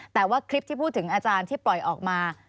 แต่ว่าคลิปที่พูดถึงอาจารย์ที่ปล่อยออกมา